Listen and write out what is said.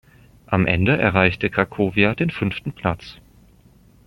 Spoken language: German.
Am Ende erreichte Cracovia den fünften Platz.